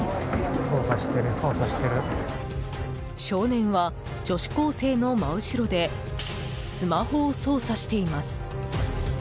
少年は女子高生の真後ろでスマホを操作しています。